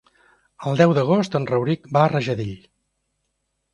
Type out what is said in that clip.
El deu d'agost en Rauric va a Rajadell.